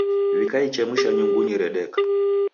Wikaichemusha nyungunyi redeka.